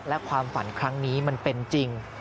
และความฝันครั้งนี้มันเป็นจริง